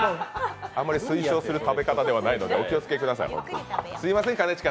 あんまり推奨する食べ方ではないので、お気をつけください。